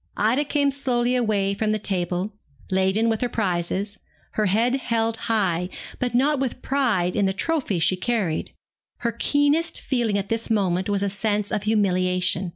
Ida came slowly away from the table, laden with her prizes, her head held high, but not with pride in the trophies she carried. Her keenest feeling at this moment was a sense of humiliation.